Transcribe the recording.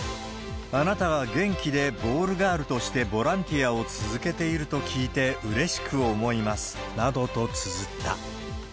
あなたが元気でボールガールとしてボランティアを続けていると聞いて、うれしく思いますなどとつづった。